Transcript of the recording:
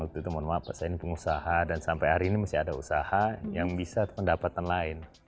waktu itu mohon maaf pak saya ini pengusaha dan sampai hari ini masih ada usaha yang bisa pendapatan lain